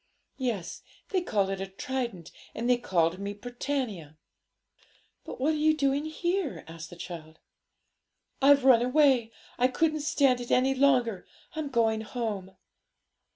'Yes; they called it a trident, and they called me Britannia.' 'But what are you doing here?' asked the child. 'I've run away; I couldn't stand it any longer. I'm going home.'